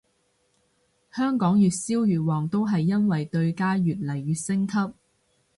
香港越燒越旺都係因為對家越嚟越升級